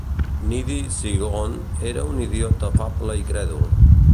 Neddie Seagoon era un idiota afable i crèdul.